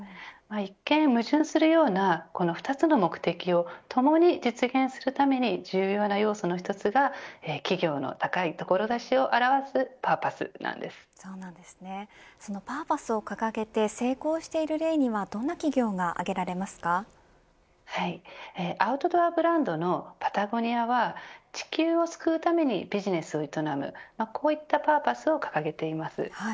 一見矛盾するようなこの２つの目的をともに実現するために重要な要素の一つが企業の高い志を表すパーそのパーパスを掲げて成功している例にはアウトドアブランドのパタゴニアは地球を救うためにビジネスを営むこういったパーパスを掲げています。